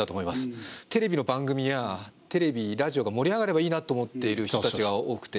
テレビの番組やテレビラジオが盛り上がればいいなと思っている人たちが多くて。